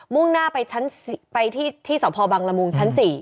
่งหน้าไปที่สพบังละมุงชั้น๔